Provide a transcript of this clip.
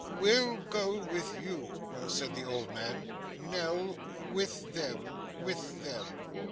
'We'll go with you,' said the old man. 'Nell with them, with them.